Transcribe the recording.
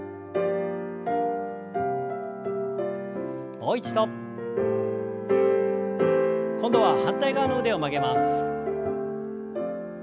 もう一度。今度は反対側の腕を曲げます。